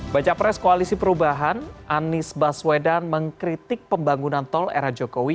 baca pres koalisi perubahan anies baswedan mengkritik pembangunan tol era jokowi